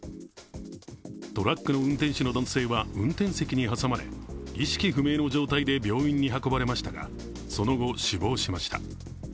トラックの運転手の男性は運転席に挟まれ意識不明の状態で病院に運ばれましたが、その後、死亡しました。